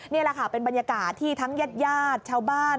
นี่แหละค่ะเป็นบรรยากาศที่ทั้งแยดชาวบ้าน